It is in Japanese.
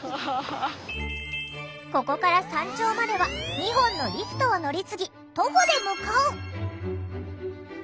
ここから山頂までは２本のリフトを乗り継ぎ徒歩で向かう。